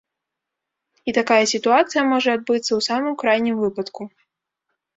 І такая сітуацыя можа адбыцца ў самым крайнім выпадку.